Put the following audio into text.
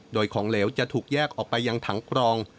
โดยของเหลวจะถูกแยกออกไปยังถังกรอง